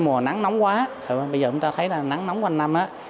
mùa nắng nóng quá bây giờ chúng ta thấy nắng nóng qua năm